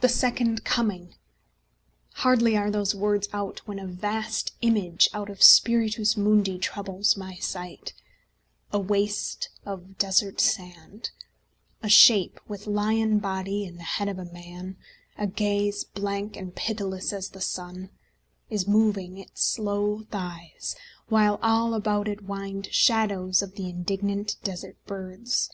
The Second Coming! Hardly are those words out When a vast image out of Spiritus Mundi Troubles my sight: a waste of desert sand; A shape with lion body and the head of a man, A gaze blank and pitiless as the sun, Is moving its slow thighs, while all about it Wind shadows of the indignant desert birds.